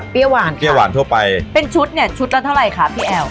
เปรี้ยวหวานเปรี้ยวหวานทั่วไปเป็นชุดเนี่ยชุดละเท่าไรคะพี่แอ๋ว